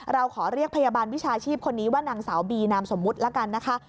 เราขอเรียกพยาบาลวิชาชีพคนนี้ว่านางสาวบีนามสมมุติแล้วกันนะคะ